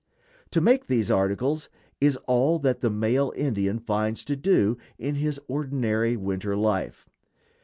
To make these articles is all that the male Indian finds to do in his ordinary winter life.